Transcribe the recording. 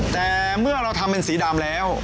แต่เมื่อเราทำเป็นสีดำแล้ว